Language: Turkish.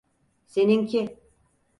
Seninki.